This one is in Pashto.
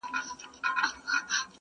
د طوطي بڼکي تویي سوې ګنجی سو.!